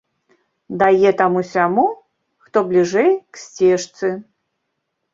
Дае таму-сяму, хто бліжэй к сцежцы.